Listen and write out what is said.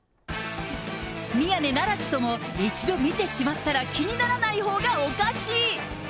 宮根ならずとも、一度見てしまったら気にならない方がおかしい。